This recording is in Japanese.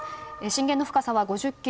震源の深さは５０ｋｍ。